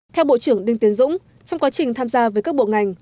theo bộ trưởng đinh tiến dũng trong quá trình tham gia với các bộ ngành